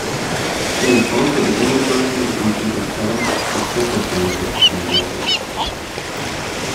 She is also the only person to compete at seven successive Olympics in dressage.